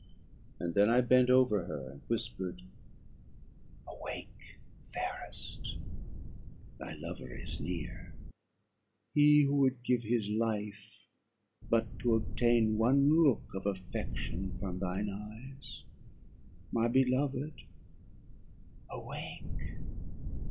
And then I bent over her, and whispered 'Awake, fairest, thy lover is near he who would give his life but to obtain one look of affection from thine eyes: my beloved, awake!'